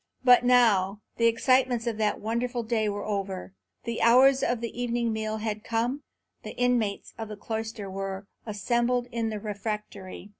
But now the excitements of that wonderful day were over; the hours of the evening meal had come; the inmates of the cloister were assembled in the refectory.